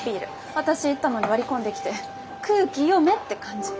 私行ったのに割り込んできて空気読めって感じ。